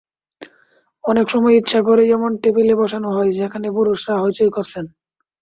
অনেক সময় ইচ্ছে করেই এমন টেবিলে বসানো হয়, যেখানে পুরুষেরা হইচই করছেন।